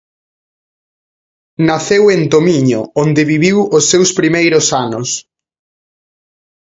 Naceu en Tomiño, onde viviu os seus primeiros anos.